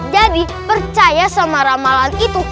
jadi percaya sama ramalan itu